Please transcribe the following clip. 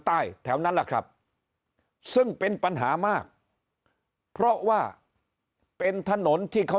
ใต้แถวนั้นแหละครับซึ่งเป็นปัญหามากเพราะว่าเป็นถนนที่เขา